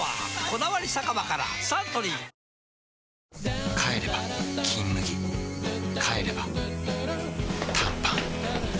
「こだわり酒場」からサントリー帰れば「金麦」帰れば短パン